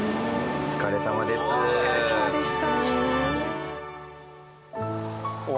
お疲れさまでした。